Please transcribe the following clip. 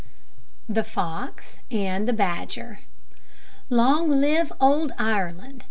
THE FOX AND THE BADGER. Long live Old Ireland!